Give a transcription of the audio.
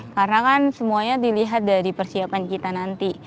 karena kan semuanya dilihat dari persiapan kita nanti